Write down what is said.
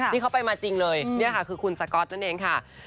นี่เขาไปมาจริงเลยนี่ค่ะคือคุณสก๊อตนั่นเองค่ะ